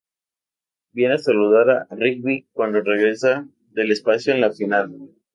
Vienen a saludar a Rigby cuando regresa del espacio en la final.